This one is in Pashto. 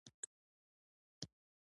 د لرغونو اثارو ساتنې ارزښت په دې کې دی.